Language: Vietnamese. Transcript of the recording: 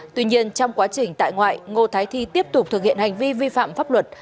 tuy nhiên trong quá trình tại ngoại ngô thái thi tiếp tục thực hiện hành vi vi phạm pháp luật